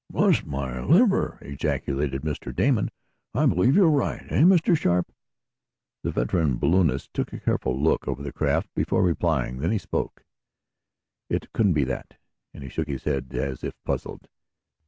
"Bless my liver!" ejaculated Mr. Damon, "I believe you're right. Eh, Mr. Sharp?" The veteran balloonist took a careful look over the craft before replying. Then he spoke: "It couldn't be that," and he shook his head, as if puzzled.